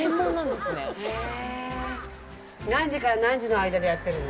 何時から何時の間でやってるの？